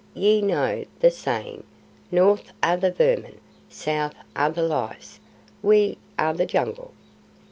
Ye know the saying: 'North are the vermin; south are the lice. WE are the Jungle.